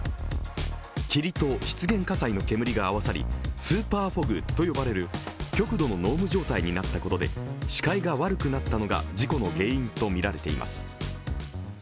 霧と湿原火災の煙が合わさりスーパー・フォグと呼ばれる極度の濃霧状態になったことで視界が悪くなったのが、事故の原因とみられています。